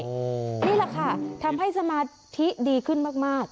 นี่แหละค่ะทำให้สมาธิดีขึ้นมาก